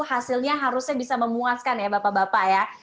hasilnya harusnya bisa memuaskan ya bapak bapak ya